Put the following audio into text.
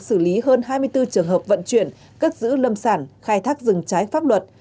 xử lý hơn hai mươi bốn trường hợp vận chuyển cất giữ lâm sản khai thác rừng trái pháp luật